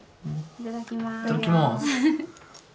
いただきます。